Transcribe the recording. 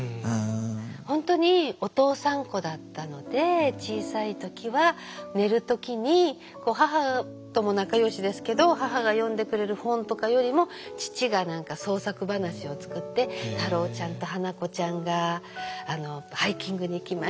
本当にお父さん子だったので小さい時は寝る時に母とも仲よしですけど母が読んでくれる本とかよりも父が何か創作話を作って「太郎ちゃんと花子ちゃんがハイキングに行きました。